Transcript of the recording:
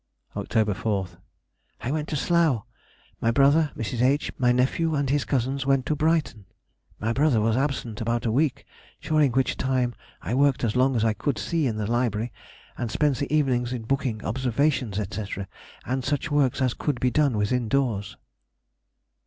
Oct. 4th.—I went to Slough; my brother, Mrs. H., my nephew, and his cousin, went to Brighton. My brother was absent about a week, during which time I worked as long as I could see in the library, and spent the evenings in booking observations, &c., and such works as could be done within doors.